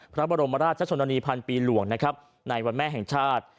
พระบรมราชชนนานีพันปีหลวงนะครับในวันแม่แห่งชาติ